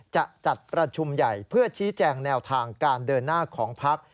จะจัดประชุมใหญ่เพื่อชี้แจงแนวทางการเดินหน้าของพัก